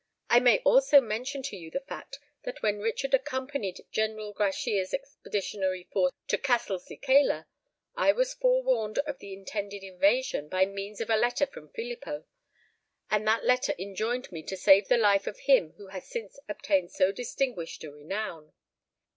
I may also mention to you the fact that when Richard accompanied General Grachia's expeditionary force to Castelcicala, I was forewarned of the intended invasion by means of a letter from Filippo: and that letter enjoined me to save the life of him who has since obtained so distinguished a renown.